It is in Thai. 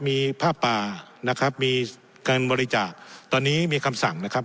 มีผ้าป่านะครับมีการบริจาคตอนนี้มีคำสั่งนะครับ